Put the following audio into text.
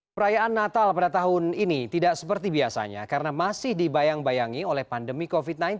perayaan natal pada tahun ini tidak seperti biasanya karena masih dibayang bayangi oleh pandemi covid sembilan belas